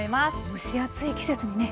蒸し暑い季節にね